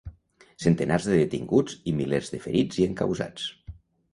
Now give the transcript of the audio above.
Centenars de detinguts i milers de ferits i encausats.